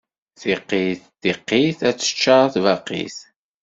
Tiqqit, tiqqit, ad teččaṛ tbaqit.